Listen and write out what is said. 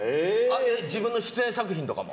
自分の出演作品とかも？